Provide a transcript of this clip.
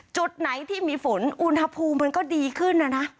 จุดไหนที่มีฝนอุณหภูมิมันก็ดีขึ้นนะนะ